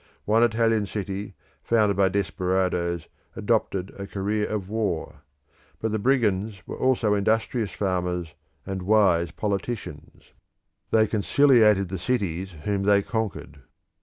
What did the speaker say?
One Italian city, founded by desperadoes, adopted a career of war; but the brigands were also industrious farmers and wise politicians; they conciliated the cities whom they conquered.